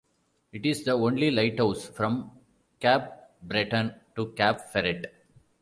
It is the only lighthouse from Capbreton to Cap Ferret.